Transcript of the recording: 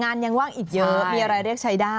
ยังว่างอีกเยอะมีอะไรเรียกใช้ได้